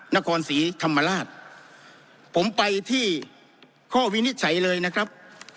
นครศรีธรรมราชผมไปที่ข้อวินิจฉัยเลยนะครับ